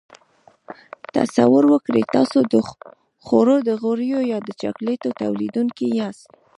تصور وکړئ تاسو د خوړو د غوړیو یا د چاکلیټو تولیدوونکي یاست.